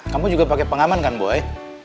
kamu juga pakai pengaman kan boy